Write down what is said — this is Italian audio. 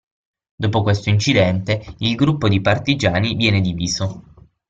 Dopo questo incidente il gruppo di partigiani viene diviso.